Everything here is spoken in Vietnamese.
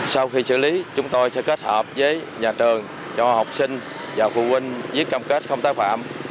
sau khi xử lý chúng tôi sẽ kết hợp với nhà trường cho học sinh và phụ huynh giết cam kết không tác phạm